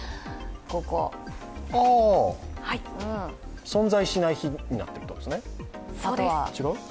ああ、存在しない日になっているってことですね、違う？